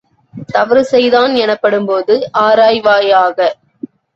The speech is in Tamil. தவறு செய்தான் எனப்படும்போதும் ஆராய்வாயாக!